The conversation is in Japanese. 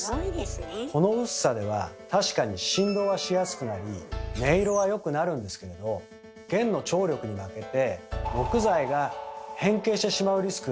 この薄さでは確かに振動はしやすくなり音色は良くなるんですけれど弦の張力に負けて木材が変形してしまうリスクがあるんです。